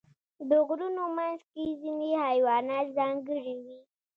د غرونو منځ کې ځینې حیوانات ځانګړي وي.